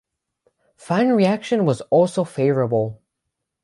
Fan reaction was also favorable.